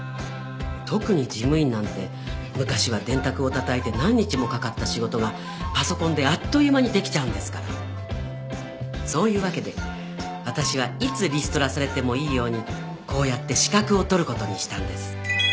特に事務員なんて昔は電卓をたたいて何日もかかった仕事がパソコンであっという間にできちゃうんですからそういうわけで私はいつリストラされてもいいようにこうやって資格を取ることにしたんです